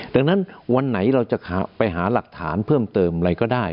ดังนั้นวันไหนเราจะไปหาหลักฐานเพิ่มเติมอะไรก็ได้